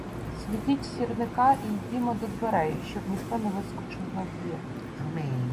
— Світіть сірника і йдімо до дверей, щоб ніхто не вискочив надвір.